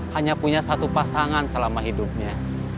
hanya punya satu pasangan selama hidupnya